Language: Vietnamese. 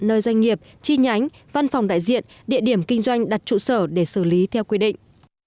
nơi doanh nghiệp chi nhánh văn phòng đại diện địa điểm kinh doanh đặt trụ sở để xử lý theo quy định